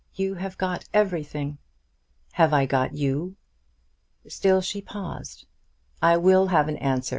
You have got everything." "Have I got you?" Still she paused. "I will have an answer.